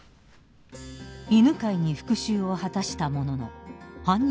［犬飼に復讐を果たしたものの犯人